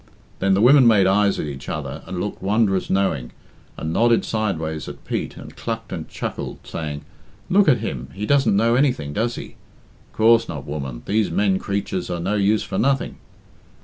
Then the women made eyes at each other and looked wondrous knowing, and nodded sideways at Pete, and clucked and chuckled, saying, "Look at him, he doesn't know anything, does he?" "Coorse not, woman these men creatures are no use for nothing."